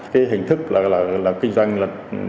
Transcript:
cái hình thức là kinh doanh